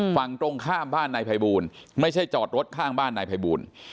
ฝั่งตรงข้ามบ้านนายภัยบูลไม่ใช่จอดรถข้างบ้านนายภัยบูล